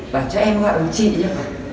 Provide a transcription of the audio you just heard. bảo cho em gọi chị nhỉ